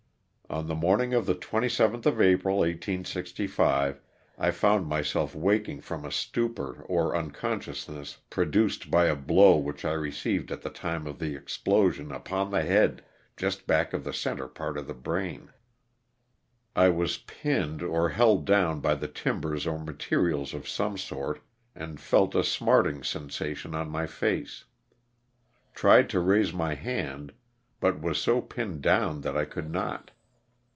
On the morning of the 2?th of April, 1865, I found myself waking from a stupor or unconsciousness, pro duced by a blow which I received at the time of the explosion upon the head just back of the center part of the brain. I was pinned or held down by the tim bers or materials of some sort and felt a smarting sen LOSS OF THE SULTANA. 271 sation on my face ; tried to raise my hand but was so pinned down that I could not.